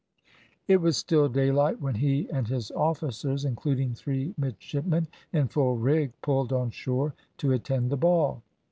It was still daylight when he and his officers, including three midshipmen in full rig, pulled on shore to attend the ball.